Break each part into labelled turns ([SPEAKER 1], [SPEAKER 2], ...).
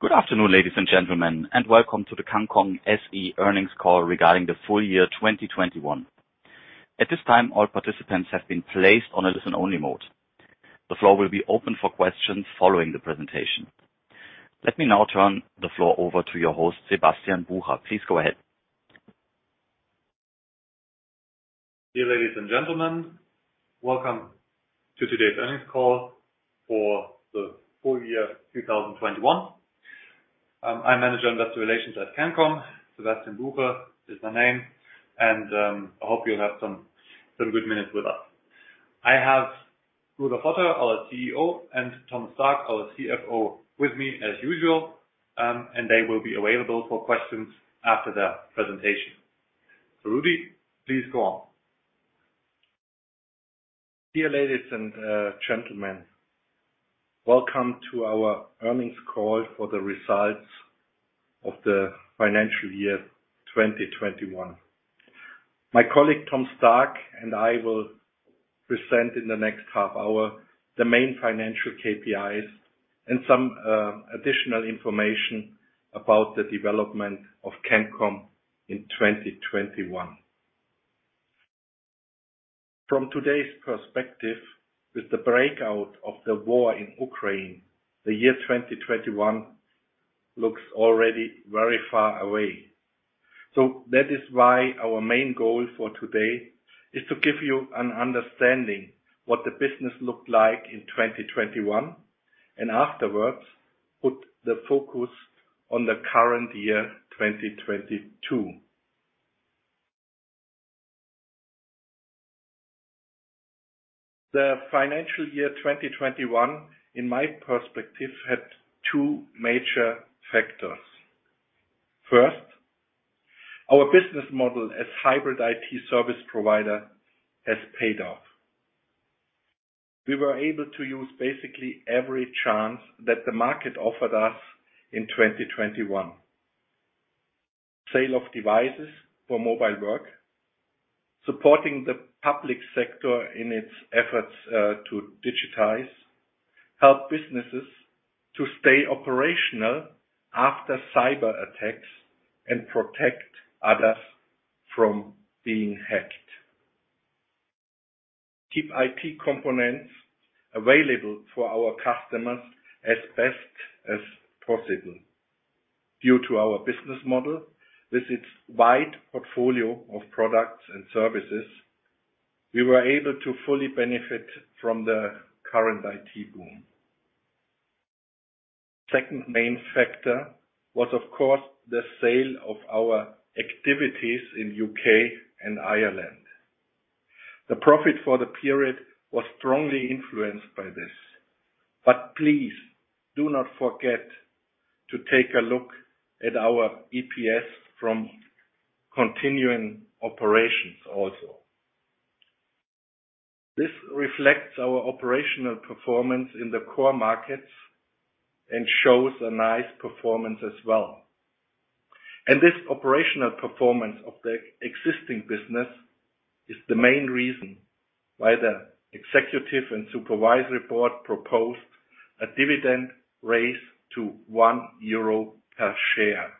[SPEAKER 1] Good afternoon, ladies and gentlemen, and welcome to the CANCOM SE earnings call regarding the full year 2021. At this time, all participants have been placed on a listen-only mode. The floor will be open for questions following the presentation. Let me now turn the floor over to your host, Sebastian Bucher. Please go ahead.
[SPEAKER 2] Dear ladies and gentlemen, welcome to today's earnings call for the full year 2021. I'm Manager Investor Relations at CANCOM. Sebastian Bucher is my name, and I hope you'll have some good minutes with us. I have Rudolf Hotter, our CEO, and Thomas Stark, our CFO, with me as usual, and they will be available for questions after the presentation. Rudi, please go on.
[SPEAKER 3] Dear ladies and gentlemen, welcome to our earnings call for the results of the financial year 2021. My colleague, Tom Stark, and I will present in the next half hour the main financial KPIs and some additional information about the development of CANCOM in 2021. From today's perspective, with the breakout of the war in Ukraine, the year 2021 looks already very far away. That is why our main goal for today is to give you an understanding what the business looked like in 2021, and afterwards, put the focus on the current year, 2022. The financial year 2021, in my perspective, had two major factors. First, our business model as hybrid IT service provider has paid off. We were able to use basically every chance that the market offered us in 2021. Sale of devices for mobile work, supporting the public sector in its efforts to digitize, help businesses to stay operational after cyberattacks and protect others from being hacked. Keep IT components available for our customers as best as possible. Due to our business model with its wide portfolio of products and services, we were able to fully benefit from the current IT boom. Second main factor was, of course, the sale of our activities in U.K. and Ireland. The profit for the period was strongly influenced by this. But please do not forget to take a look at our EPS from continuing operations also. This reflects our operational performance in the core markets and shows a nice performance as well. This operational performance of the existing business is the main reason why the executive and supervisory board proposed a dividend raise to 1 euro per share.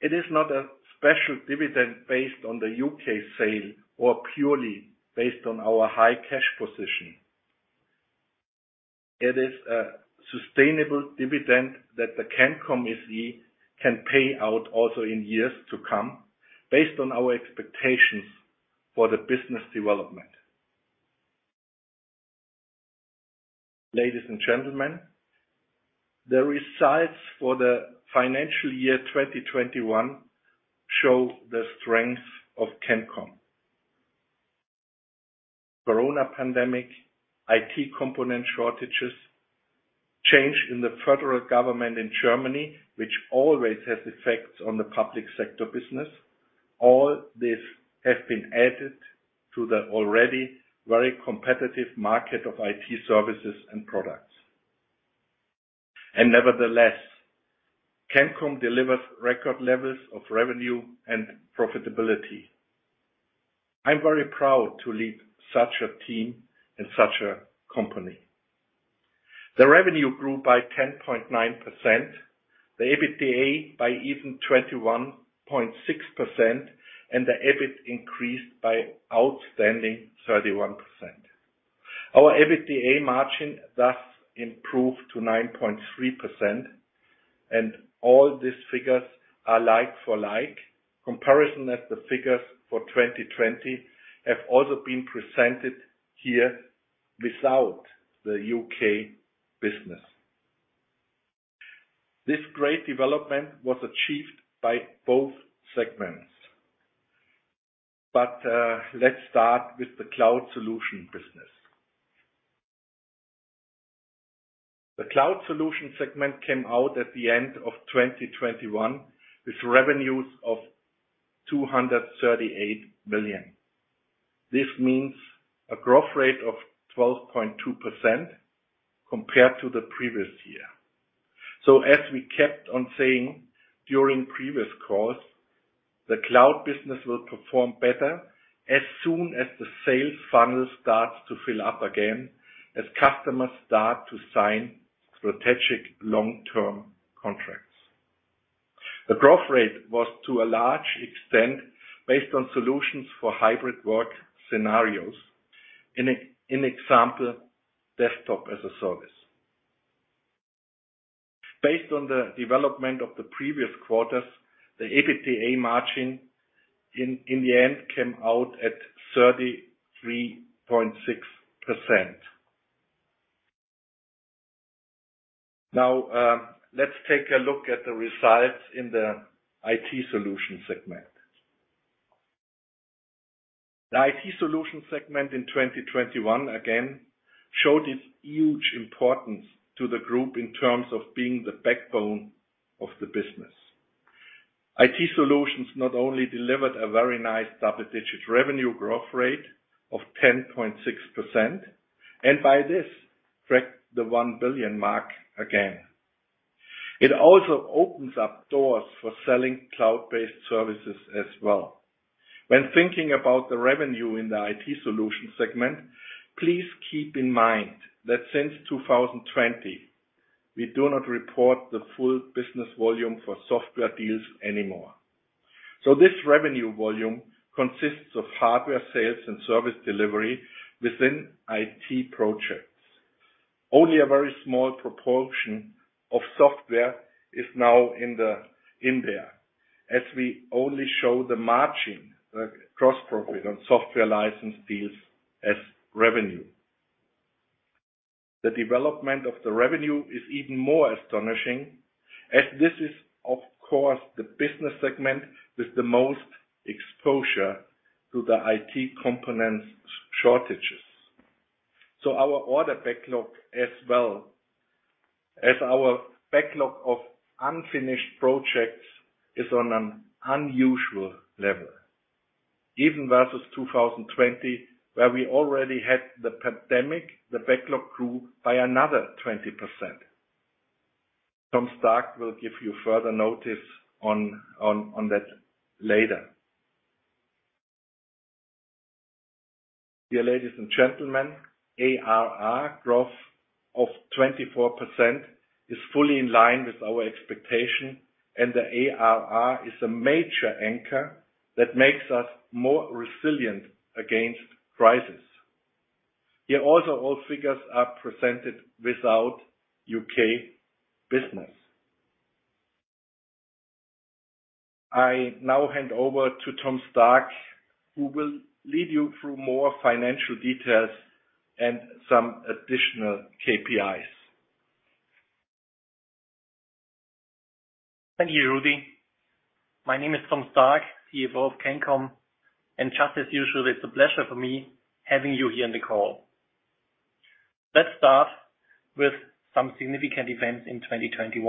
[SPEAKER 3] It is not a special dividend based on the UK sale or purely based on our high cash position. It is a sustainable dividend that the CANCOM SE can pay out also in years to come based on our expectations for the business development. Ladies and gentlemen, the results for the financial year 2021 show the strength of CANCOM. Corona pandemic, IT component shortages, change in the federal government in Germany, which always has effects on the public sector business. All this have been added to the already very competitive market of IT services and products. Nevertheless, CANCOM delivers record levels of revenue and profitability. I'm very proud to lead such a team and such a company. The revenue grew by 10.9%, the EBITDA by even 21.6%, and the EBIT increased by outstanding 31%. Our EBITDA margin thus improved to 9.3%, and all these figures are like-for-like comparison as the figures for 2020 have also been presented here without the U.K. business. This great development was achieved by both segments. Let's start with the cloud solution business. The cloud solution segment came out at the end of 2021 with revenues of 238 million. This means a growth rate of 12.2% compared to the previous year. As we kept on saying during previous calls, the cloud business will perform better as soon as the sales funnel starts to fill up again, as customers start to sign strategic long-term contracts. The growth rate was to a large extent based on solutions for hybrid work scenarios. For example, Desktop as a Service. Based on the development of the previous quarters, the EBITDA margin in the end came out at 33.6%. Now, let's take a look at the results in the IT Solutions segment. The IT Solutions segment in 2021 again showed its huge importance to the group in terms of being the backbone of the business. IT Solutions not only delivered a very nice double-digit revenue growth rate of 10.6%, and by this cracked the €1 billion mark again. It also opens up doors for selling cloud-based services as well. When thinking about the revenue in the IT Solutions segment, please keep in mind that since 2020, we do not report the full business volume for software deals anymore. This revenue volume consists of hardware sales and service delivery within IT projects. Only a very small proportion of software is now in there, as we only show the margin, gross profit on software license deals as revenue. The development of the revenue is even more astonishing, as this is of course, the business segment with the most exposure to the IT component shortages. Our order backlog as well as our backlog of unfinished projects is on an unusual level. Even versus 2020, where we already had the pandemic, the backlog grew by another 20%. Tom Stark will give you further notice on that later. Dear ladies and gentlemen, ARR growth of 24% is fully in line with our expectation, and the ARR is a major anchor that makes us more resilient against crisis. Here also, all figures are presented without U.K. business. I now hand over to Tom Stark, who will lead you through more financial details and some additional KPIs.
[SPEAKER 4] Thank you, Rudi. My name is Tom Stark, CFO of CANCOM, and just as usual, it's a pleasure for me having you here on the call. Let's start with some significant events in 2021.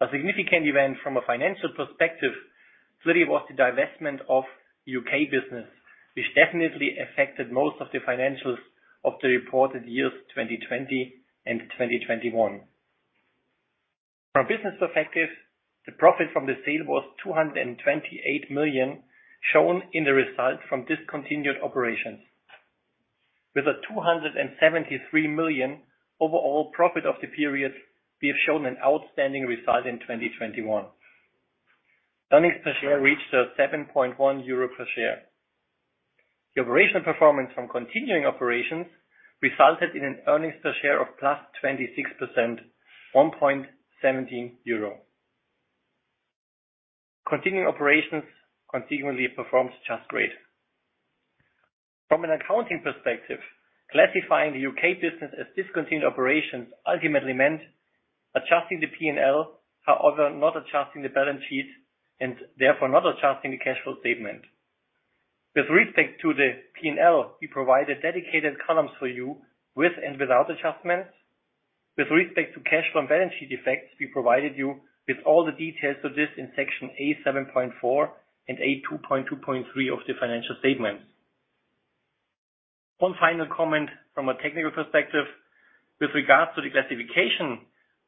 [SPEAKER 4] A significant event from a financial perspective, clearly was the divestment of U.K. business, which definitely affected most of the financials of the reported years, 2020 and 2021. From business perspective, the profit from the sale was 228 million shown in the results from discontinued operations. With a 273 million overall profit of the period, we have shown an outstanding result in 2021. Earnings per share reached 7.1 euro per share. The operational performance from continuing operations resulted in an earnings per share of +26%, EUR 1.17. Continuing operations consequently performed just great. From an accounting perspective, classifying the UK business as discontinued operations ultimately meant adjusting the P&L, however, not adjusting the balance sheet and therefore not adjusting the cash flow statement. With respect to the P&L, we provided dedicated columns for you with and without adjustments. With respect to cash from balance sheet effects, we provided you with all the details of this in Section A 7.4 and A 2.2.3 of the financial statements. One final comment from a technical perspective. With regards to the classification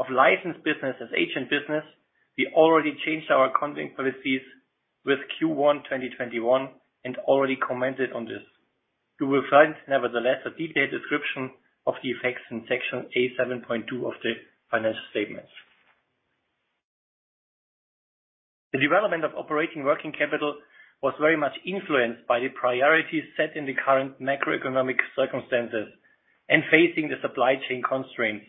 [SPEAKER 4] of licensed business as agent business, we already changed our accounting policies with Q1 2021 and already commented on this. You will find, nevertheless, a detailed description of the effects in Section A 7.2 of the financial statements. The development of operating working capital was very much influenced by the priorities set in the current macroeconomic circumstances and facing the supply chain constraints.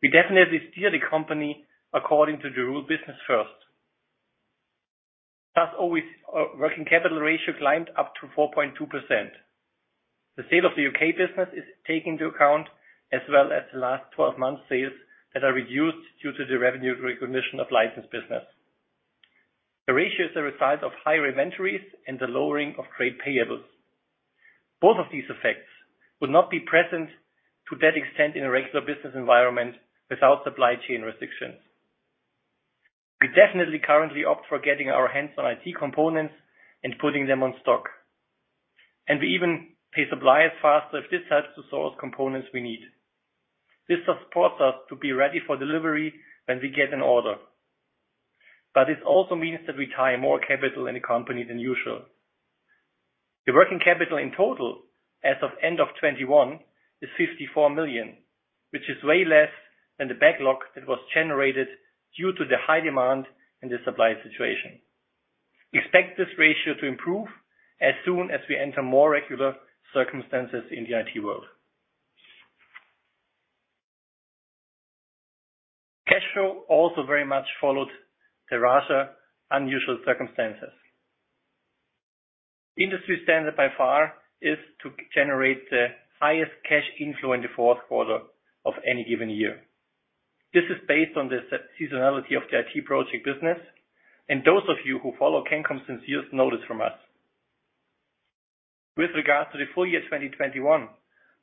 [SPEAKER 4] We definitely steer the company according to the rule business first. As always, our working capital ratio climbed up to 4.2%. The sale of the U.K. business is taking into account as well as the last 12 months sales that are reduced due to the revenue recognition of license business. The ratios are a result of higher inventories and the lowering of trade payables. Both of these effects would not be present to that extent in a regular business environment without supply chain restrictions. We definitely currently opt for getting our hands on IT components and putting them on stock, and we even pay suppliers faster if this helps to source components we need. This supports us to be ready for delivery when we get an order. This also means that we tie more capital in the company than usual. The working capital in total as of end of 2021 is 54 million, which is way less than the backlog that was generated due to the high demand and the supply situation. We expect this ratio to improve as soon as we enter more regular circumstances in the IT world. Cash flow also very much followed the rather unusual circumstances. Industry standard by far is to generate the highest cash inflow in the fourth quarter of any given year. This is based on the seasonality of the IT project business, and those of you who follow CANCOM for years know this from us. With regards to the full year 2021,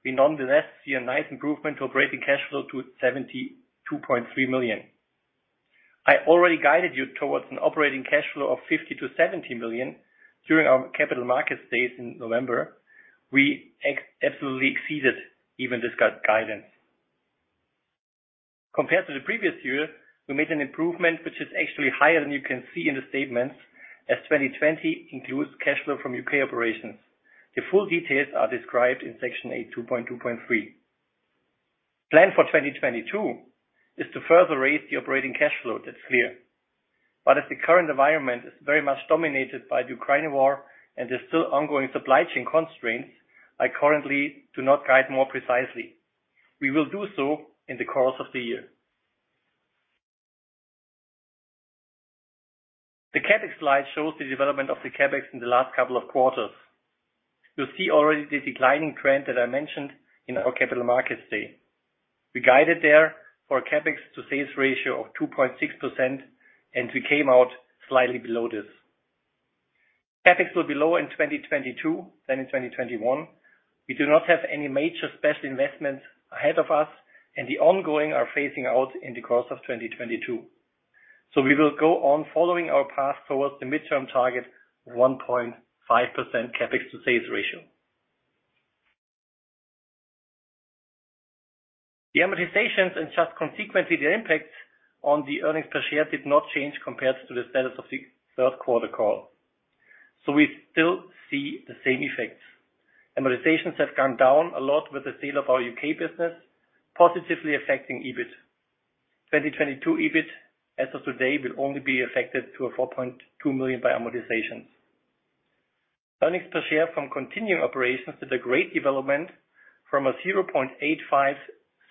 [SPEAKER 4] we nonetheless see a nice improvement to operating cash flow to 72.3 million. I already guided you towards an operating cash flow of 50 million-70 million during our capital market days in November. We absolutely exceeded even this guidance. Compared to the previous year, we made an improvement, which is actually higher than you can see in the statements, as 2020 includes cash flow from U.K. operations. The full details are described in section 8.2.3. Plan for 2022 is to further raise the operating cash flow. That's clear. As the current environment is very much dominated by the Ukraine war and there's still ongoing supply chain constraints, I currently do not guide more precisely. We will do so in the course of the year. The CapEx slide shows the development of the CapEx in the last couple of quarters. You see already the declining trend that I mentioned in our Capital Markets Day. We guided there for a CapEx to sales ratio of 2.6%, and we came out slightly below this. CapEx will be lower in 2022 than in 2021. We do not have any major special investments ahead of us, and the ongoing are phasing out in the course of 2022. We will go on following our path towards the midterm target of 1.5% CapEx to sales ratio. The amortizations and just consequently, the impact on the earnings per share did not change compared to the status of the third quarter call. We still see the same effects. Amortizations have gone down a lot with the sale of our U.K. business, positively affecting EBIT. 2022 EBIT, as of today, will only be affected to a 4.2 million by amortizations. Earnings per share from continuing operations with a great development from a 0.85 euro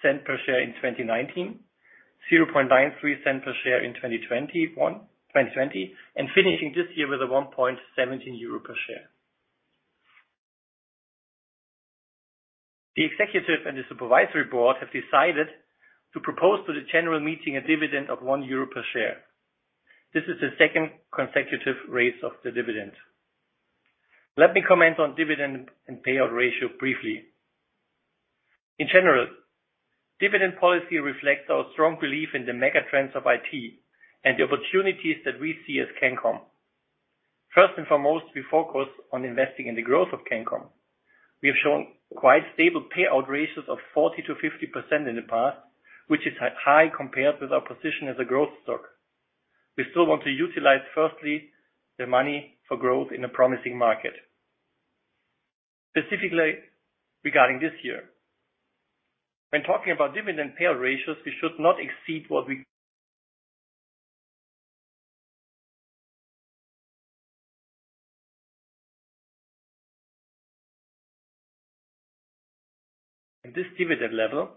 [SPEAKER 4] per share in 2019, 0.93 euro per share in 2020, and finishing this year with a 1.17 euro per share. The executive and the supervisory board have decided to propose to the general meeting a dividend of 1 euro per share. This is the second consecutive raise of the dividend. Let me comment on dividend and payout ratio briefly. In general, dividend policy reflects our strong belief in the mega trends of IT and the opportunities that we see as CANCOM. First and foremost, we focus on investing in the growth of CANCOM. We have shown quite stable payout ratios of 40%-50% in the past, which is high compared with our position as a growth stock. We still want to utilize, firstly, the money for growth in a promising market. Specifically regarding this year, when talking about dividend payout ratios, we should not exceed. This dividend level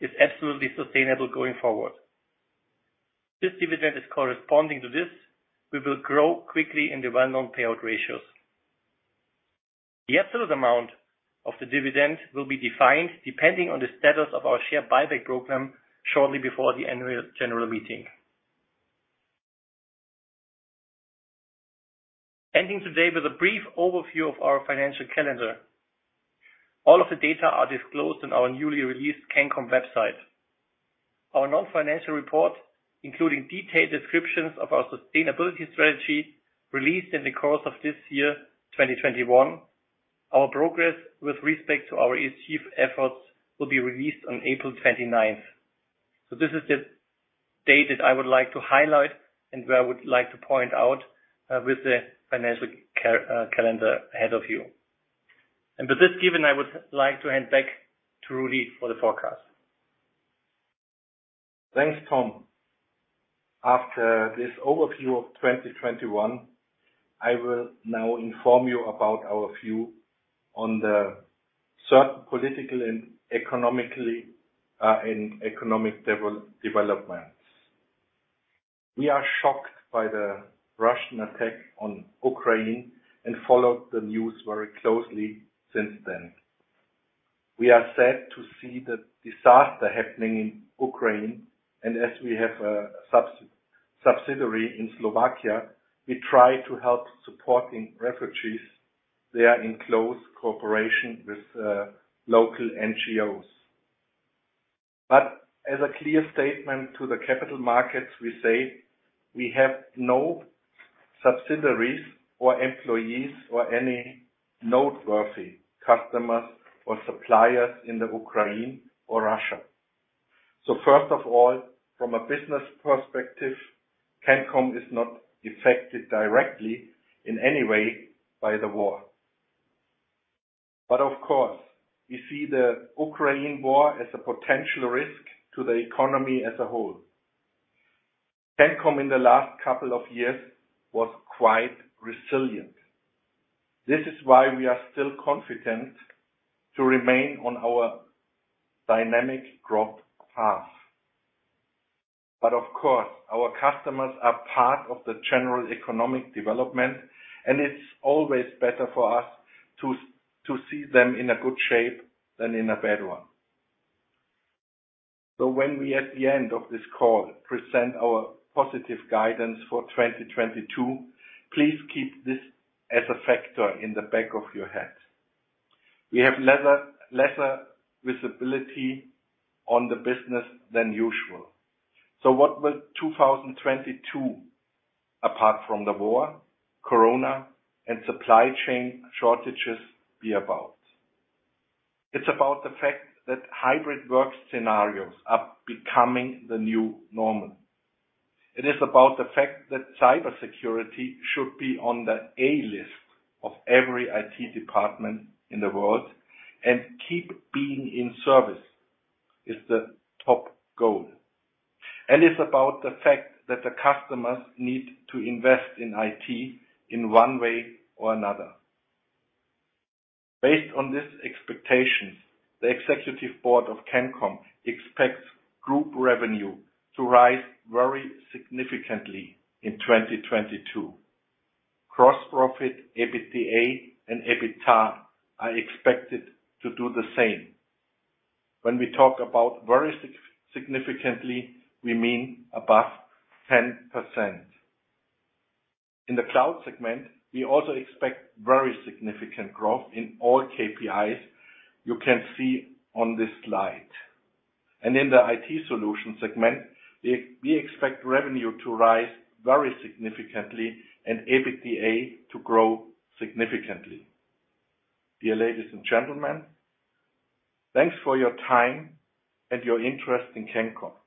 [SPEAKER 4] is absolutely sustainable going forward. This dividend is corresponding to this. We will grow quickly in the well-known payout ratios. The absolute amount of the dividend will be defined depending on the status of our share buyback program shortly before the annual general meeting. We are ending today with a brief overview of our financial calendar. All of the data are disclosed on our newly released CANCOM website. Our non-financial report, including detailed descriptions of our sustainability strategy, released in the course of this year, 2021. Our progress with respect to our ESG efforts will be released on April 29. This is the date that I would like to highlight and where I would like to point out with the financial calendar ahead of you. With this given, I would like to hand back to Rudi for the forecast.
[SPEAKER 3] Thanks, Tom. After this overview of 2021, I will now inform you about our view on the current political and economic developments. We are shocked by the Russian attack on Ukraine and followed the news very closely since then. We are sad to see the disaster happening in Ukraine, and as we have a subsidiary in Slovakia, we try to help supporting refugees there in close cooperation with local NGOs. As a clear statement to the capital markets, we say we have no subsidiaries or employees or any noteworthy customers or suppliers in Ukraine or Russia. First of all, from a business perspective, CANCOM is not affected directly in any way by the war. Of course, we see the Ukraine war as a potential risk to the economy as a whole. CANCOM in the last couple of years was quite resilient. This is why we are still confident to remain on our dynamic growth path. Of course, our customers are part of the general economic development, and it's always better for us to see them in a good shape than in a bad one. When we, at the end of this call, present our positive guidance for 2022, please keep this as a factor in the back of your head. We have lesser visibility on the business than usual. What will 2022, apart from the war, corona, and supply chain shortages be about? It's about the fact that hybrid work scenarios are becoming the new normal. It is about the fact that cybersecurity should be on the A list of every IT department in the world, and keep being in service is the top goal. It's about the fact that the customers need to invest in IT in one way or another. Based on these expectations, the executive board of CANCOM expects group revenue to rise very significantly in 2022. Gross profit and EBITDA are expected to do the same. When we talk about very significantly, we mean above 10%. In the cloud segment, we also expect very significant growth in all KPIs you can see on this slide. In the IT solution segment, we expect revenue to rise very significantly and EBITDA to grow significantly. Dear ladies and gentlemen, thanks for your time and your interest in CANCOM.